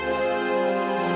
nanti kita berdua bisa berdua